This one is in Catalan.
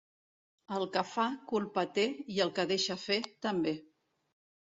El que fa culpa té, i el que deixa fer, també.